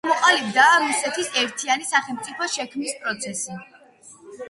ჩამოყალიბდა რუსეთის ერთიანი სახელმწიფოს შექმნის პროცესში.